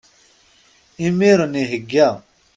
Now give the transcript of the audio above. Imiren ihegga.